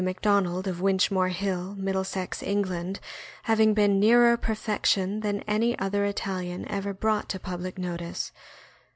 McDonald, of Winchmore Hill, Middlesex, England, hav ing been nearer perfection than any other Italian ever brought to public notice.